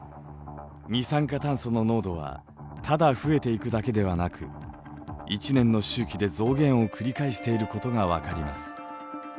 二酸化炭素の濃度はただ増えていくだけではなく１年の周期で増減を繰り返していることが分かります。